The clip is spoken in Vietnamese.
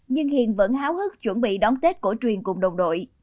nhưng hiền vẫn háo hức chuẩn bị đón tết cổ truyền cùng đồng đội